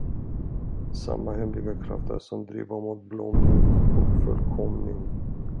Samma hemliga krafter som driva mot blomning och fullkomning.